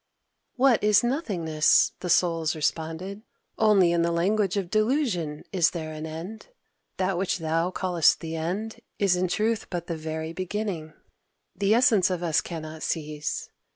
"What is nothingness?" the Souls responded. "Only in the language of delusion is there an end. That which thou callest the end is in truth but the very beginning. The essence of us cannot cease.